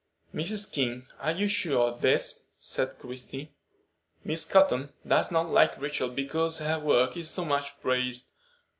"Mrs. King, are you sure of this?" said Christie. "Miss Cotton does not like Rachel because her work is so much praised.